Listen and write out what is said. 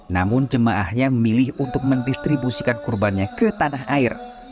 namun jemaahnya memilih untuk mendistribusikan kurbannya ke tanah air